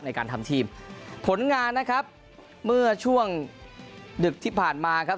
ในการทำทีมผลงานนะครับเมื่อช่วงดึกที่ผ่านมาครับ